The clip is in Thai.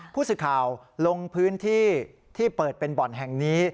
ผู้สื่อข่าวลงพื้นที่ที่เปิดเป็นบ่อนแห่งนี้